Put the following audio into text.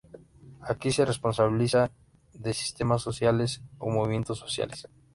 Aquí se responsabiliza de sistemas sociales o movimientos sociales.